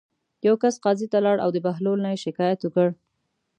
یوه کس قاضي ته لاړ او د بهلول نه یې شکایت وکړ.